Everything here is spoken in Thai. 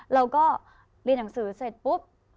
เราก็เรียนหนังสือเสร็จปุ๊บ